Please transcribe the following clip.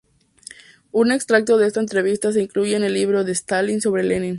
Un extracto de esta entrevista se incluye en el libro de Stalin sobre Lenin.